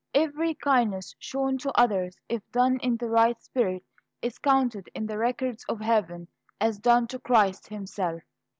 Every kindness shown to others, if done in the right spirit, is counted in the records of heaven as done to Christ himself.